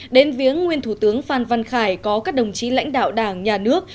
đến viếng nguyên thủ tướng phan văn khải có các đồng chí lãnh đạo đảng nhà nước